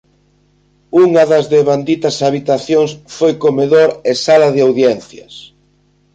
Unha das devanditas habitacións foi comedor e sala de audiencias.